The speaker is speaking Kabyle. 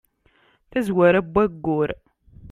tazwara n wayyur